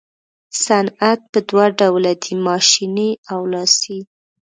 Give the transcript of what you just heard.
صنعت په دوه ډوله دی ماشیني او لاسي.